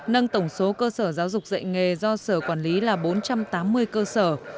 nâng tổng số cơ sở giáo dục dạy nghề do sở quản lý là bốn trăm tám mươi cơ sở